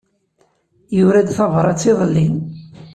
Yura-d tabṛat iḍelli.